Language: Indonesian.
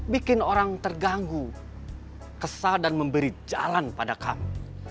bikin orang terganggu kesal dan memberi jalan pada kami